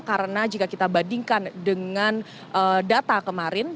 karena jika kita bandingkan dengan data kemarin